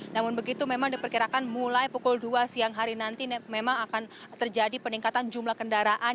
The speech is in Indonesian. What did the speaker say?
namun begitu memang diperkirakan mulai pukul dua siang hari nanti memang akan terjadi peningkatan jumlah kendaraan